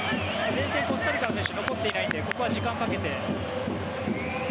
前線、コスタリカの選手残っていないのでここは時間をかけて。